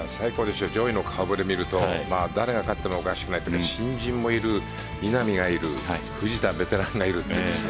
上位の顔触れを見ると誰が勝ってもおかしくないし新人もいる、稲見がいる藤田、ベテランがいるという。